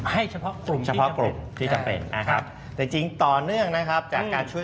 ให้เฉพาะกลุ่มที่จำเป็นใช่ครับจริงต่อเนื่องนะครับจากการช่วย